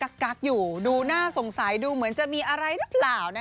ก็ยังตอบแบบกักอยู่ดูหน้าสงสัยดูเหมือนจะมีอะไรหรือเปล่า